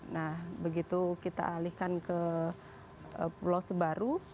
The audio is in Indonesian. nah begitu kita alihkan ke pulau sebaru